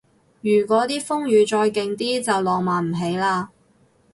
如嗰啲風雨再勁啲就浪漫唔起嘞